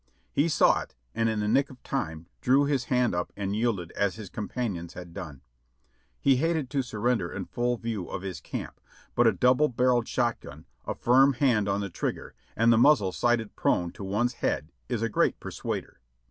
He saw it and in the nick of time threw his hand up and yielded as his companions had done. He hated to surrender in full view of his camp, but a double barreled shot gun, a firm hand on the trigger and the muzzle sighted prone at one's head is a great persuader.